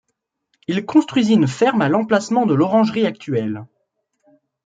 Il construisit une ferme à l'emplacement de l'orangerie actuelle.